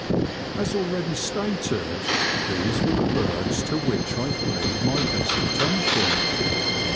As already stated, these were the birds to which I paid my best attention.